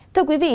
thưa quý vị